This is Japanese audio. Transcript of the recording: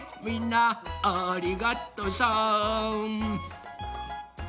みんなありがとさん。